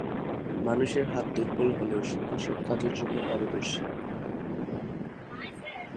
মানুষের হাত দুর্বল হলেও সূক্ষ্ম সব কাজের জন্য পারদর্শী।